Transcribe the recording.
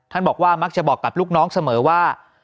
บอกว่ามักจะบอกกับลูกน้องเสมอว่า